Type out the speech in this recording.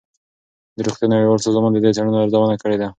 د روغتیا نړیوال سازمان د دې څېړنو ارزونه کړې ده.